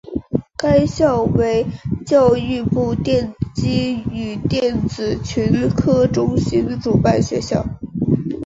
该校为教育部电机与电子群科中心主办学校。